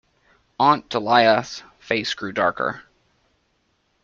Aunt Dahlia's face grew darker.